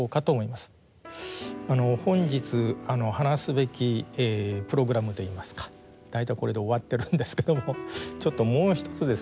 本日話すべきプログラムといいますか大体これで終わってるんですけどもちょっともう一つですね